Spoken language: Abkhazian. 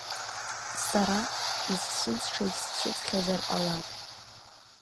Сара исцәыӡшагь сцәыӡхьазар ҟалап.